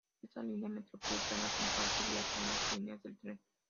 Esta línea metropolitana comparte vía con las líneas de tren.